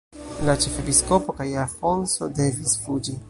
La ĉefepiskopo kaj Afonso devis fuĝi.